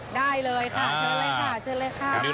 ได้เลยค่ะเชื่อเลยค่ะ